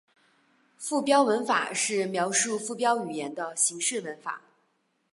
附标文法是描述附标语言的形式文法。